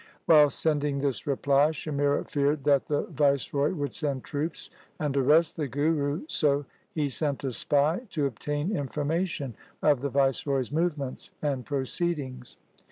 While sending this reply, Shamira feared that the Viceroy would send troops and arrest the Guru, so he sent a spy to obtain information of the Viceroy's movements and proceedings'.